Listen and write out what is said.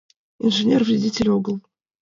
Инженер вредитель огыл.